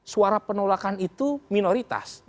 suara penolakan itu minoritas